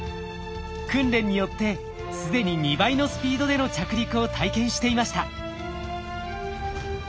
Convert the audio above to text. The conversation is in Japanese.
訓練によって既に２倍のスピードでの着陸を体験していました。